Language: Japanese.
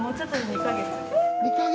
２か月。